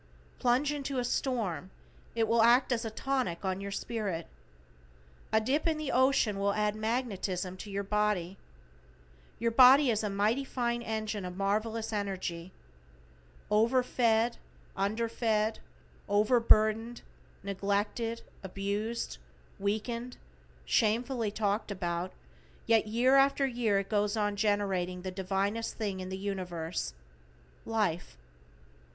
Plunge into a storm, it will act as tonic on your spirit. A dip in the ocean will add magnetism to your body. Your body is a mighty fine engine of marvelous energy. Over fed, under fed, over burdened, neglected, abused, weakened, shamefully talked about, yet year after year it goes on generating the divinest thing in the universe Life.